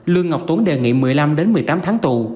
lương ngọc tuấn đề nghị một mươi năm một mươi tám tháng tù